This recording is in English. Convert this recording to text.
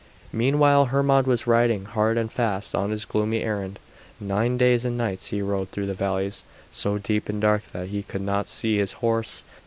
Meanwhile Hermod was riding hard and fast on his gloomy errand. Nine days and nights he rode through valleys so deep and dark that he could not see his horse.